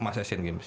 mas asian games